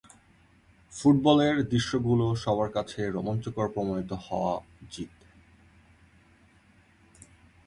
ফুটবলের দৃশ্যগুলো সবার কাছে রোমাঞ্চকর প্রমাণিত হওয়া উচিত।